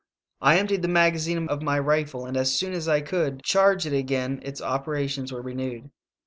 I emptied the magazine of my rifle, and as soon as I could charge it again its operations were renewed.